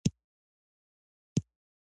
خو له بدمرغه چا ورته کار نه دى کړى